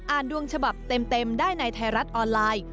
ดวงฉบับเต็มได้ในไทยรัฐออนไลน์